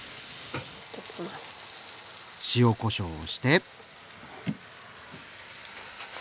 塩・こしょうをして。